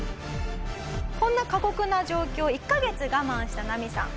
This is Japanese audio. こんな過酷な状況を１カ月我慢したナミさん。